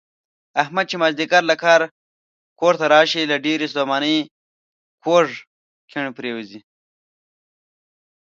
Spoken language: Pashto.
احمد چې مازدیګر له کاره کورته راشي، له ډېرې ستومانۍ کوږ کیڼ پرېوځي.